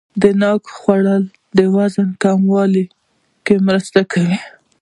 د ناک خوراک د وزن کمولو کې مرسته کوي.